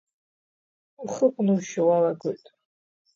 Ухы ҟәнушьо уалагоит.